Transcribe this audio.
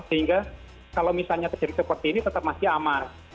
sehingga kalau misalnya terjadi seperti ini tetap masih aman